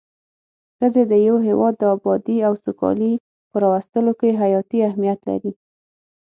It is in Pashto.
ښځی د يو هيواد د ابادي او سوکالي په راوستو کي حياتي اهميت لري